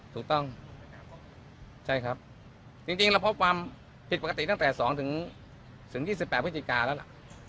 ถูกต้องใช่ครับจริงเราพบความผิดปกติตั้งแต่๒ถึง๒๘พฤศจิกาแล้วล่ะ